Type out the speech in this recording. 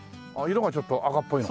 色がちょっと赤っぽいの？